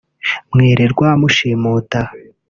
mwirirwa mushimuta